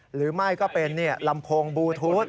หรือไม่ก็เป็นลำโพงบลูทูธ